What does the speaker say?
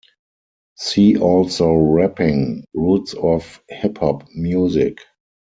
See also rapping, roots of hip hop music.